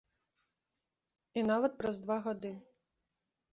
І нават праз два гады.